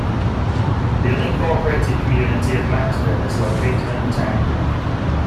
The unincorporated community of Maxville is located in the town.